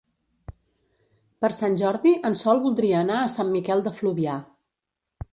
Per Sant Jordi en Sol voldria anar a Sant Miquel de Fluvià.